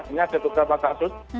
ini ada beberapa kasus